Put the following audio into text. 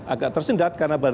agak tersendat karena